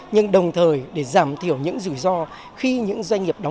nhưng đồng thời để giảm thiểu những rủi ro khi những doanh nghiệp khó khăn